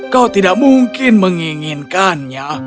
kau tidak mungkin menginginkannya